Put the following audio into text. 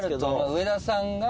上田さんが。